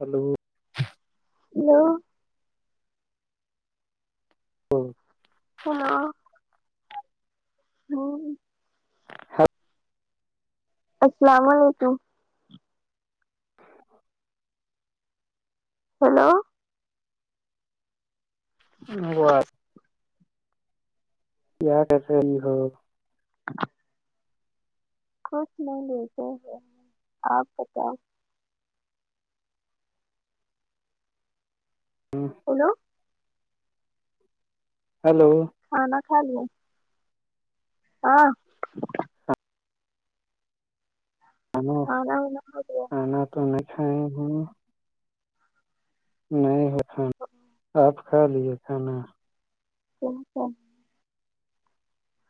hello hello hello ہاں السلام علیکم ہیلو ا [unintelligible] یہاں کیسے یہی ہو [unintelligible] کھ نہیں لیتے ہیں آپ بتاؤ ہاں بولو ہلو کھانا کھا لیا ہاں کانا کھانا وانا ہو گیا کھانا تو نہیں کھائے ہ نہیں ہے کھانا آپ کھا لیے کھانا اچ س [unintelligible]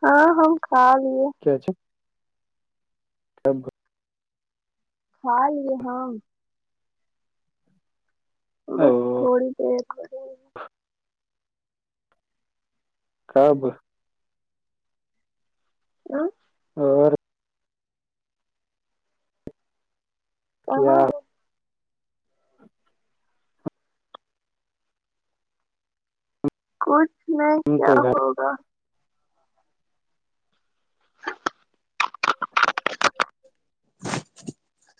ہاں ہم کھا لیے [unintelligible] سب [unintelligible] ہاں لے ہاں او بس تھوڑی دیر ہوی کاب ہ اور کیا کہاں ہے کچھ میں ہم کیا تو گھر ہوگا [unintelligible]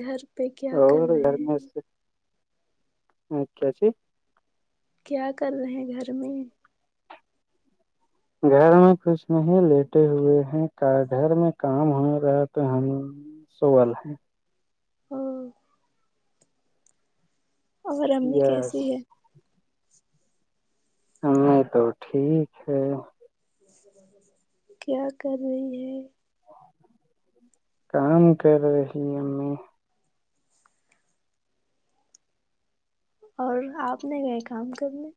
گھر پہ کیا کر اور رہے گھر میں ہیں ا کیاچی کیا کر رہے ہیں گھر میں گھر میں کچھ نہیں لیٹے ہوئے ہیں گھر میں کام ہو رہا تو ہم سوال ہاں اگر امی یس کیسی ہے ہم تو ٹھیک ہے کیا کر رہی ہے کام کر رہی ہمیں اور آپ نے کہئے کام کرنے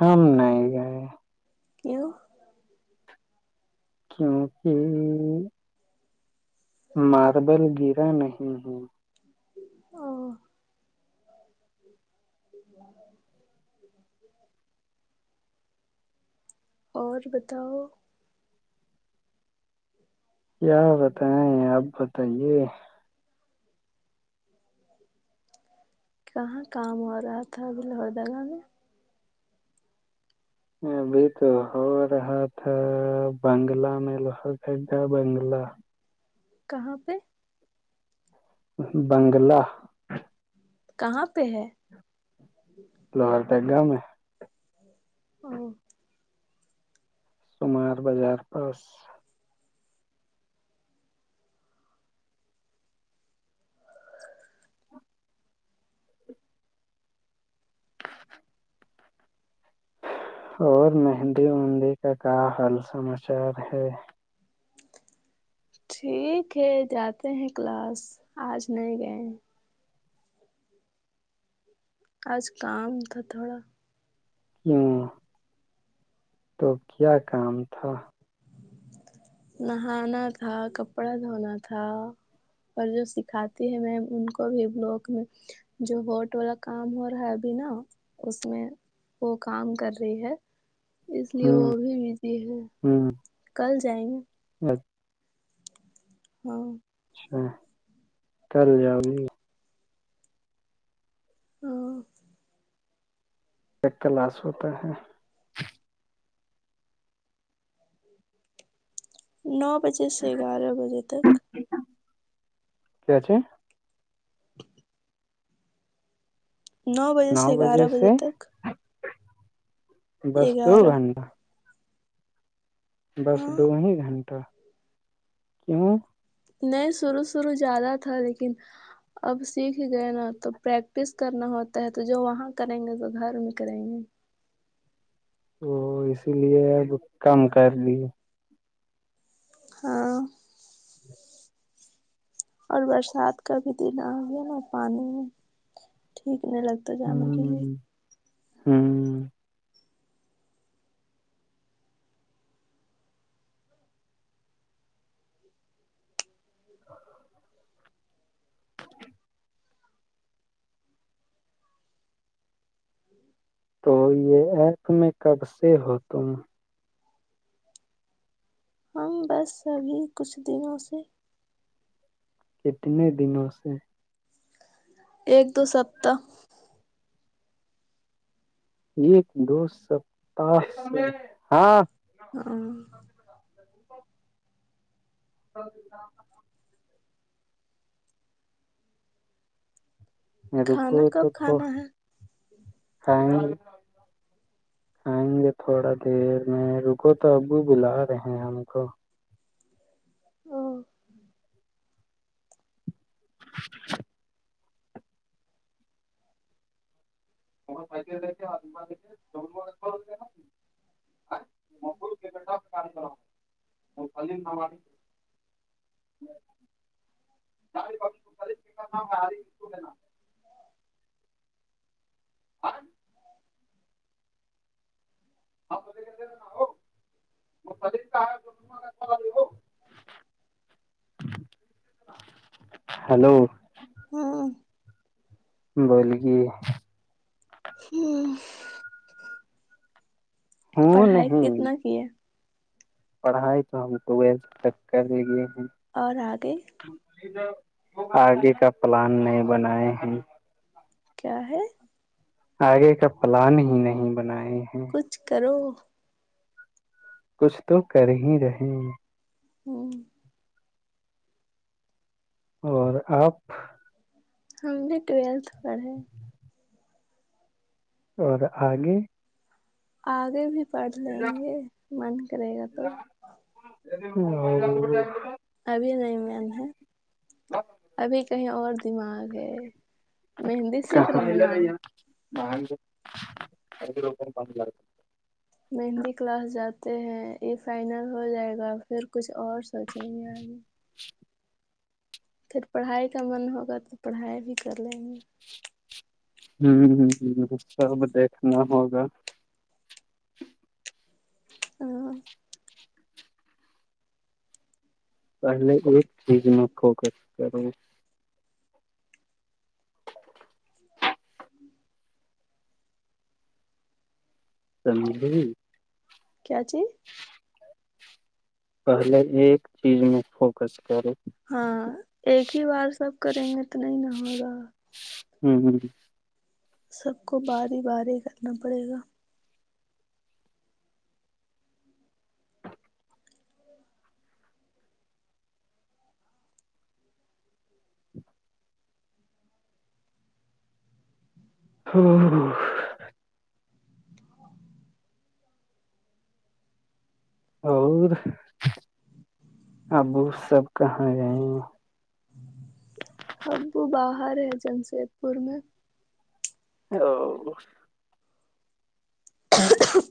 ہم نہیں گئے کیوں کیونکہ ماربل گرا نہیں او [unintelligible] اور بتاؤ کیا بتائیں آپ بتائیے کہاں کام ہو رہا تھا ابھی لوہر دگاہ میں ابھی تو ہو رہا تھا بنگلہ میں لوہار دگا بنگلہ کہاں پہ بنگلہ کہاں پہ ہے لوہردگا میں او شمار بازار پاس اور مہندی اندی کا حال سماچار ہے ٹھیک ہے جاتے ہیں کلاس آج نہیں گئے آج کام تھا تھوڑا ہاں تو کیا کام تھا نہانا تھا کپڑا دھونا تھا اور جو سکھاتے ہیں میم ان کو بھی بلاک میں جو ووٹ والا کام ہو رہا ہے ابھی نا اس میں وہ کام کر رہی ہے اس لیے وہ بھی بزی ہے ہوں کل جائیں گے اچھا ہاں اچھا کل جاؤگي ہوں ایک کلاس ہوتا ہے نو بجے سے گیارہ بجے تک کیا کیا نو بجے سے گیارہ بجے تک بس دو گیارہ گھنٹہ بس ہاں دو ہی گھنٹہ کیوں نہیں شروع شروع زیادہ تھا لیکن اب سیکھ گئے نا تو پریک پریکٹس کرنا ہوتا ہے تو جو وہاں کریں گے تو گھر میں کریں گے اسی لیے اب کم کر دیے ہاں اور برسات کا بھی دن آ گیا نا پانی میں ٹھیک نہیں لگتا جانے کے لیے ہوں تو یہ ایپ میں کب سے ہو تم ہم بس ابھی کچھ دنوں سے کٹ دن سے ایک دو سپتہ ایک دو سو پتااس ہاں [inaudible] [inaudible] مڈ کو کھانا تو کب تو کھانا ہے آئیں گے تھوڑا دیر میں رکو تو ابو بلا رہے ہیں ہم کو او [inaudible] [inaudible] [inaudible] [inaudible] اور [inaudible] ہیلو ہاں بولے [inaudible] ہوں پڑھائی نہیں کتنا کی ہے پڑھائی تو ہم تو ویس تک کر لیے ہیں اور آگے آگے کا پلان نئے بنائے ہیں کیا ہے آگے کا پلان ہی نہیں بنائے ہیں کچھ کرو کچھ تو کر ہی رہے ہو اور آپ ہمانے ٹویلتھ پڑھے اور آگے آگے بھی پڑھ لیں گے من کرے گا تو [inaudible] ابھی نہیں من ہے ابھی کہیں اور دماغ ہے مہندی سیکھ رہے ہیں نا [inaudible] مہندی کلاس جاتے ہیں یہ فائنل ہو جائے گا پھر کچھ اور سوچیں گے آگے [unintelligible] پھر پڑھائی کا من ہوگا تو پڑھائی بھی کر لیں گے ہوں ہ ہ سب دیکھنا ہوگا ہاں پہلے ایک چیز میں فوکس کر [unintelligible] س مج کیا چیز پہلے ایک چیز میں فوکس کرے ہاں ایک ہی بار سب کریں گے اتنا ہی نہ ہوگا ہوں ہ سب کو باری باری کرنا پڑے گا ہوں ہ اور ابو سب کہاں گئے ابو باہر ہے جمشید پور میں او [unintelligible]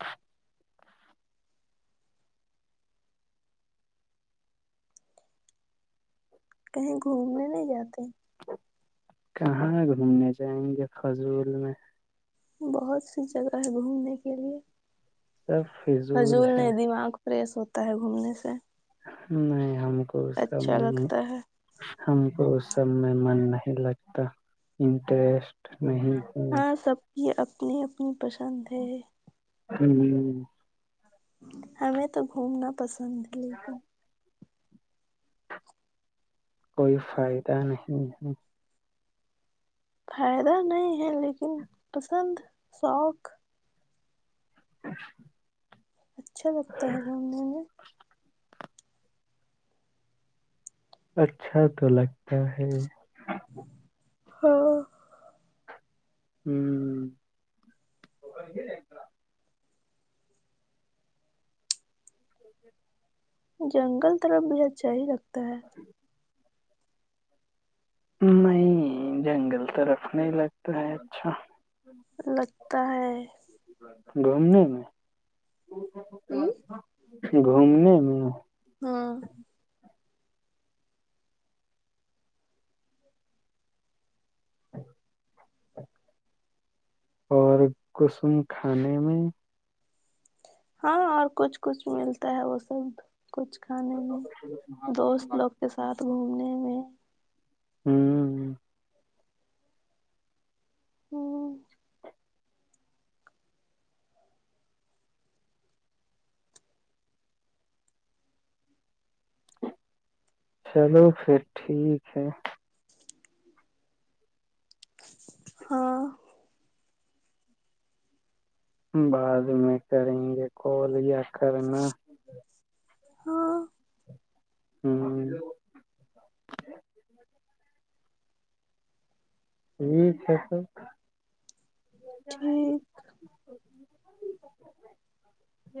ہاں کہیں گھومنے نہیں جاتے کہاں گھومنے جائیں گے فضول میں بہت سی جگہ ہے گھومنے کے لیے سب فضول حضول ہے نے دماغ کو فریش ہوتا ہے گھومنے سے نہیں ہم کو سب اچھا میں لگتا ہے ہم کو اس سب میں من نہیں لگتا انٹرسٹ نہیں ہاں ہے سب کی اپنی اپنی پسند ہے ہوں ہ ہمیں تو گھومنا پسند ہے لیکن کوئی فائدہ نہیں فائدہ نہیں ہے لیکن پسند شوق [unintelligible] اچھا لگتا ہے گھومنے میں اچھا تو لگتا ہے ہاں ہوں جنگل طرف بھی اچھا ہی لگتا ہے [unintelligible] نہیں جنگل تو رکھنے لگتا ہے اچھا لگتا ہے گھومنے میں ہوں، گھومنے میں ہاں اور کسم کھانے میں ہاں اور کچھ کچھ ملتا ہے وہ سب کچھ کھانے میں دوست لوگ کے ساتھ گھومنے میں ہوں ہوں چلو پھر ٹھیک ہے ہاں بعد میں کریں گے کال یا کرنا ہاں ہوں ج ہے سر [unintelligible] اا [unintelligible] جی جی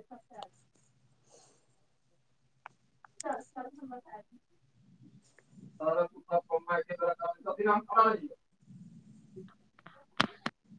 [unintelligible] چل سل سمجس آ اورر پکا کم کر سم خا جیا [unintelligible]